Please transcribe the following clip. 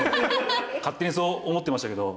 勝手にそう思ってましたけど。